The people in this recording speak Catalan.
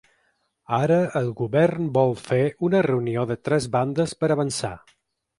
Ara el govern vol fer una reunió de tres bandes per avançar.